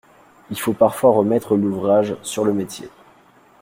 Il faut parfois remettre l’ouvrage sur le métier.